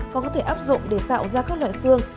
còn có thể áp dụng để tạo ra các loại xương